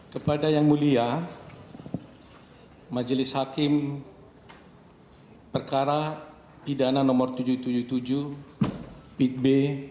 kepada yang mulia majelis hakim perkara pidana no tujuh ratus tujuh puluh tujuh pidb dua ribu enam belas